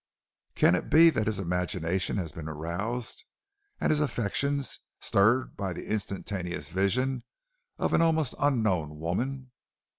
Can it be that his imagination has been roused and his affections stirred by the instantaneous vision of an almost unknown woman?